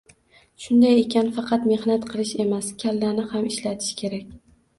Shunday ekan, faqat mehnat qilish emas, kallani ham ishlatish kerak